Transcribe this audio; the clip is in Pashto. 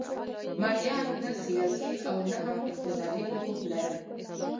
مریانو نه سیاسي او نه هم اقتصادي حقوق لرل.